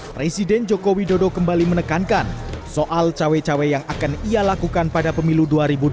presiden joko widodo kembali menekankan soal cawe cawe yang akan ia lakukan pada pemilu dua ribu dua puluh